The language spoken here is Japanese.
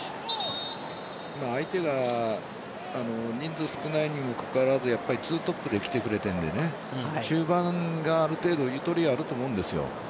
相手が人数少ないにもかかわらず２トップできてくれているので中盤がある程度ゆとりがあると思うんです。